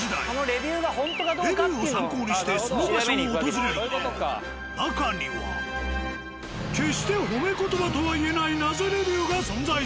レビューを参考にしてその場所を訪れるが中には決して褒め言葉とはいえない謎レビューが存在する。